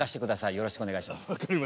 よろしくお願いします。